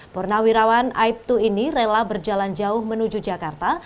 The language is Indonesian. purnawirawan aibtu ini rela berjalan jauh menuju jakarta